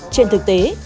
trên thực tế